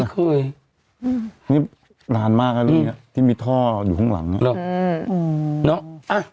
ไม่เคยอืมนี้งานมากก็เรื่องเนี้ยที่มีท่ออยู่ข้างหลังน่ะหืม